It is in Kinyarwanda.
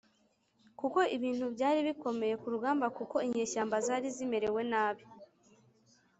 kuko ibintu byari bikomeye ku rugamba kuko inyeshyamba zari zimerewe nabi,